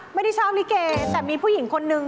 ไม่ได้ชอบลิเกย์แต่มีผู้หญิงคนหนึ่ง